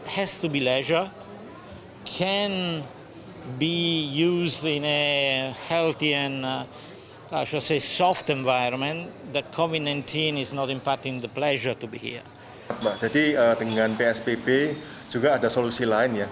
hendak melakukan workation tidak perlu khawatir dengan penyebaran virus corona